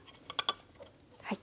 はい。